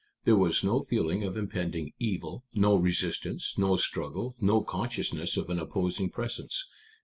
There was no feeling of impending evil, no resistance, no struggle, no consciousness of an opposing presence.